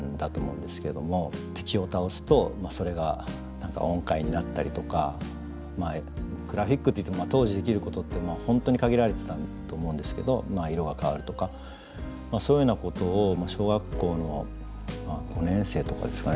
敵を倒すとそれが音階になったりとかまあグラフィックといっても当時できることって本当に限られてたと思うんですけど色が変わるとかそういうようなことを小学校の５年生とかですかね